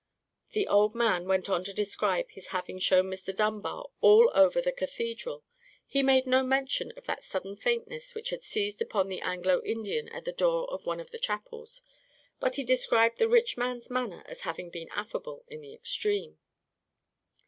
The old man went on to describe his having shown Mr. Dunbar all over the cathedral. He made no mention of that sudden faintness which had seized upon the Anglo Indian at the door of one of the chapels; but he described the rich man's manner as having been affable in the extreme.